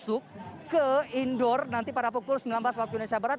jadi kalau anda ingin masuk ke indoor nanti pada pukul sembilan belas waktu indonesia barat